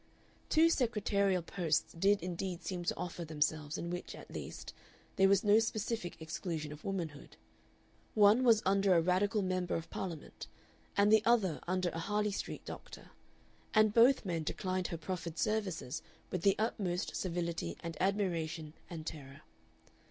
Two secretarial posts did indeed seem to offer themselves in which, at least, there was no specific exclusion of womanhood; one was under a Radical Member of Parliament, and the other under a Harley Street doctor, and both men declined her proffered services with the utmost civility and admiration and terror.